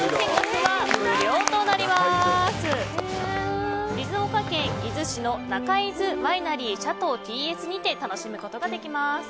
静岡県伊豆の国市の中伊豆ワイナリーシャトーＴ．Ｓにて楽しむことができます。